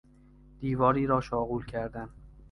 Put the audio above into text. دیواری را شاغول کردن